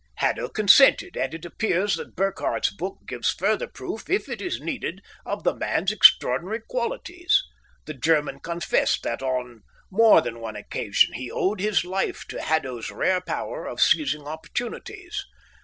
Haddo consented, and it appears that Burkhardt's book gives further proof, if it is needed, of the man's extraordinary qualities. The German confessed that on more than one occasion he owed his life to Haddo's rare power of seizing opportunities.